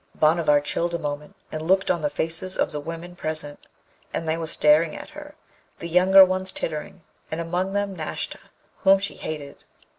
Bhanavar chilled a moment, and looked on the faces of the women present, and they were staring at her, the younger ones tittering, and among them Nashta, whom she hated.